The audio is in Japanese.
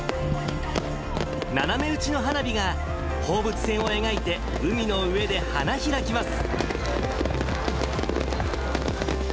斜め打ちの花火が、放物線を描いて、海の上で花開きます。